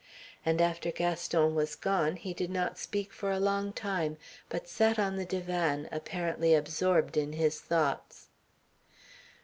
And after Gaston was gone he did not speak for a long time, but sat on the divan, apparently absorbed in his thoughts.